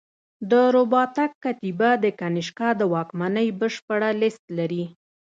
د رباطک کتیبه د کنیشکا د واکمنۍ بشپړه لېست لري